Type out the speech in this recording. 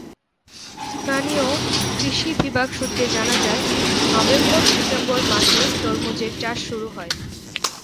স্থানীয় কৃষি বিভাগ সূত্রে জানা যায়, নভেম্বর-ডিসেম্বর মাসে তরমুজের চাষ শুরু হয়।